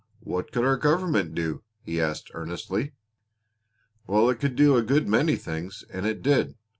"What could our government do?" he asked earnestly. "Well, it could do a good many things, and it did.